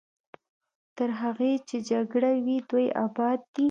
تر هغې چې جګړه وي دوی اباد دي.